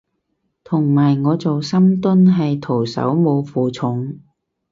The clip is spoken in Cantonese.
同埋我做深蹲係徒手冇負重